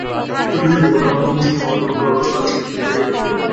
ছোট শহরে ঘটনা হওয়াতে মুহূর্তের মধ্যে পুরো শহরে ঘটনাটি ছড়িয়ে পড়ে।